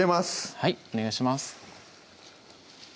はいお願いします